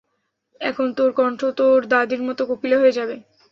এখন তোর কন্ঠও তোর দাদীর মতো কোকিলা হয়ে যাবে।